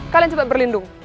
kalian cepat berlindung